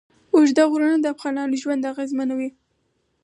اوږده غرونه د افغانانو ژوند اغېزمن کوي.